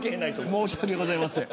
申し訳ございません。